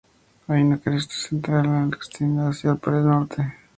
Hay una cresta central que se extiende hacia la pared norte.